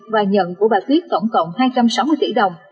và nhận của bà tuyết tổng cộng hai trăm sáu mươi tỷ đồng